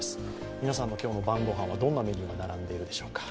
皆さんの今日の晩ごはんはどんなメニューが並んでるでしょうか。